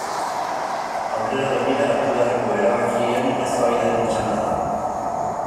Aurrera begira hartu beharreko erabakien eztabaidaran txanda da.